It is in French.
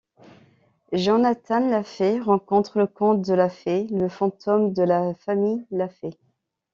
Jonathan La'Fey rencontre le Comte de La Fey, le fantôme de la famille Lafey.